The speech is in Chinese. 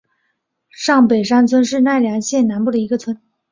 上北山村是奈良县南部的一村。